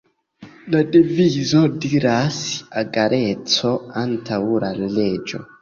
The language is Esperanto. La devizo diras, "Egaleco Antaŭ La Leĝo.